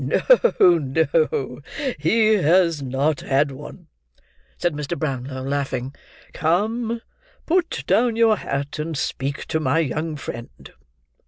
"No, no, he has not had one," said Mr. Brownlow, laughing. "Come! Put down your hat; and speak to my young friend."